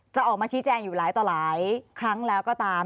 จะออกมาชี้แจงอยู่หลายต่อหลายครั้งแล้วก็ตาม